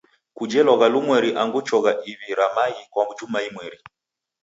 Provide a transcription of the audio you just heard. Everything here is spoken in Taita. Kuje logha lumweri angu chogha iw'i ra maghi kwa juma imweri.